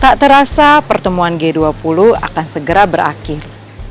tak terasa pertemuan g dua puluh akan segera berakhir